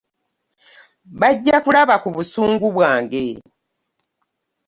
Bajja kulaba ku busungu bwange.